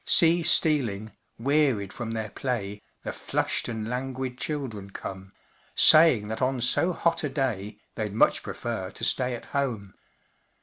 See stealing, wearied from their play, The flushed and languid children come, Saying that on so hot a day They'd much prefer to stay at home.